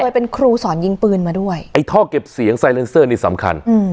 โดยเป็นครูสอนยิงปืนมาด้วยไอ้ท่อเก็บเสียงนี่สำคัญอืม